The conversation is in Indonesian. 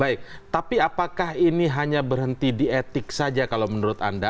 baik tapi apakah ini hanya berhenti di etik saja kalau menurut anda